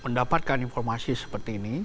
mendapatkan informasi seperti ini